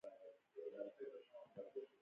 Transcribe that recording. ډګروال وویل انسان غوښتل سوله رامنځته کړي